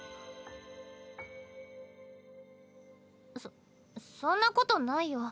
そそんなことないよ。